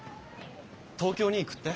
東京に行くって？